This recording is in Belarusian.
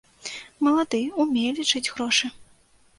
Малады, умее лічыць грошы.